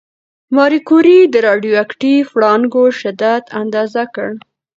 ماري کوري د راډیواکټیف وړانګو شدت اندازه کړ.